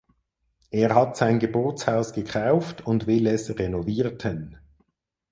Er hat sein Geburtshaus gekauft und will es renovierten.